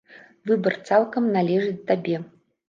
Выбар цалкам належыць табе.